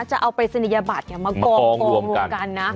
จะเอาปริศนียบัตรมากองรวมกันนะ